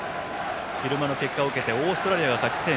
昼間の結果を受けてオーストラリアが勝ち点３。